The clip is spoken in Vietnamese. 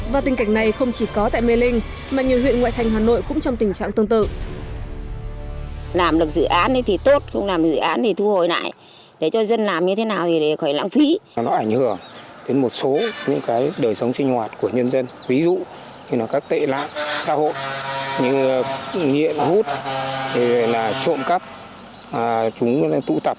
và tình cảnh này không chỉ có tại mê linh mà nhiều huyện ngoại thành hà nội cũng trong tình trạng tương tự